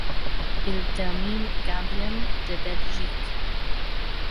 Il termine gardien de Belgique.